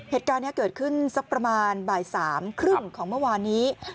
เหตุการณ์นี้เกิดขึ้นสักประมาณบ่าย๓๓๐ของเมื่อวานนี้